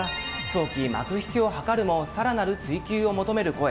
早期幕引きを図るも更なる追及を求める声。